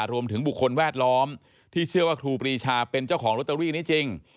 รวมถึงบุคคลแวดล้อมที่เชื่อว่าครูปรีชาเป็นเจ้าของลอตเตอรี่นี้จริง